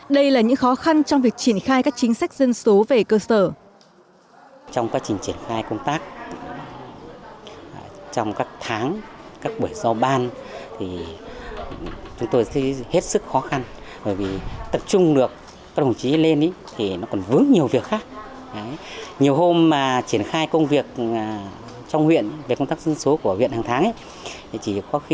đây là những khó khăn trong việc triển khai các chính sách dân số về cơ sở